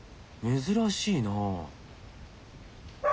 珍しいな。